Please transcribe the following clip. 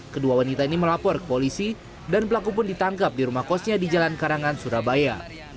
kedua wanita ini melapor ke polisi dan pelaku pun ditangkap di rumah kosnya di jalan karangan surabaya